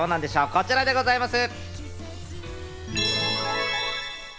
こちらでございます。